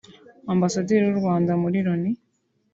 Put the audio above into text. Ambasaderi w’u Rwanda muri Loni